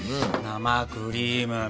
生クリーム。